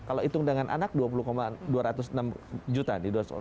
kalau hitung dengan anak dua puluh dua juta